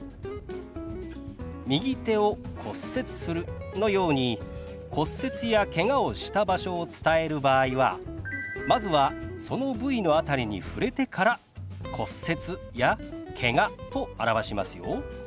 「右手を骨折する」のように骨折やけがをした場所を伝える場合はまずはその部位の辺りに触れてから「骨折」や「けが」と表しますよ。